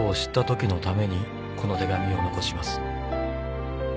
ときのためにこの手紙を残します」